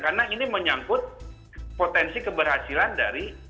karena ini menyangkut potensi keberhasilan dari